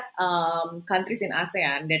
negara negara di asean yang